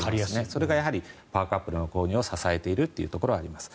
それがやはりパワーカップルの購入を支えているところはあります。